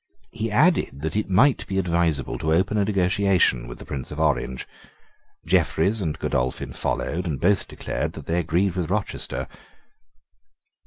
He added that it might be advisable to open a negotiation with the Prince of Orange. Jeffreys and Godolphin followed; and both declared that they agreed with Rochester.